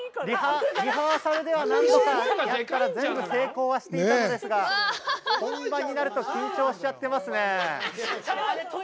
リハーサルでは何度かやったら全部成功はしていたんですが本番になると緊張しちゃってますね。